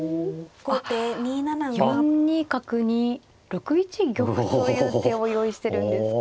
あっ４二角に６一玉という手を用意してるんですか。